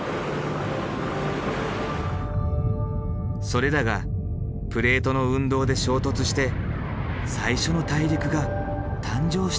それらがプレートの運動で衝突して最初の大陸が誕生したのではないか。